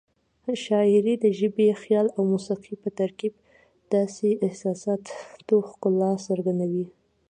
شاعري د ژبې، خیال او موسيقۍ په ترکیب د احساساتو ښکلا څرګندوي.